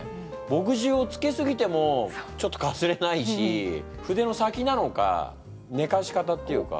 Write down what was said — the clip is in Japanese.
ぼくじゅうをつけすぎてもちょっとかすれないし筆の先なのかねかし方っていうか。